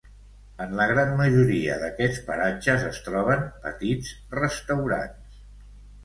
En la gran majoria d'aquests paratges es troben petits restaurants.